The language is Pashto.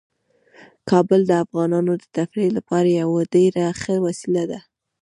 کابل د افغانانو د تفریح لپاره یوه ډیره ښه وسیله ده.